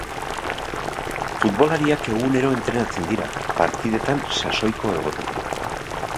Futbolariak egunero entrenatzen dira, partidetan sasoiko egoteko.